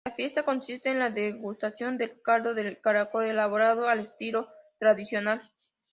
La fiesta consiste en la degustación del caldo de caracol elaborado al estilo tradicional.